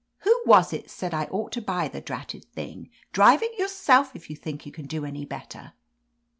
"Who was it said I ought to buy the dratted thing? Drive it yourself if you think you can do any better."